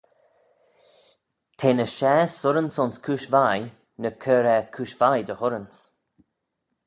Te ny share surranse ayns cooish vie, ny cur er cooish vie dy hurranse.